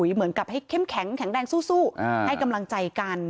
เหมือนให้แข็งแรงสู้ให้กำลังใจกัน